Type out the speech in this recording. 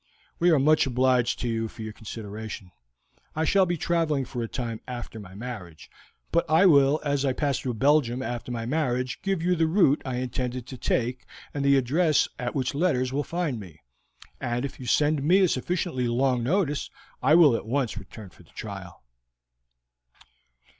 "We are much obliged to you for your consideration. I shall be traveling for a time after my marriage; but I will as I pass through Belgium after my marriage give you the route I intend to take and the address at which letters will find me, and if you send me a sufficiently long notice I will at once return for the trial."